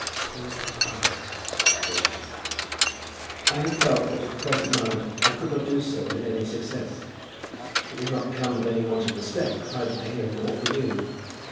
"Poor papa," said Grace. "I have felt that at the present moment I could not do so with any success. It has not come of any want of respect either for him or for you.